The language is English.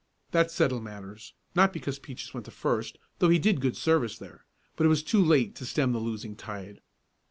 That settled matters, not because Peaches went to first, though he did good service there, but it was too late to stem the losing tide.